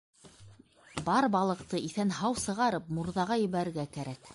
Бар балыҡты, иҫән-һау сығарып, мурҙаға ебәрергә кәрәк.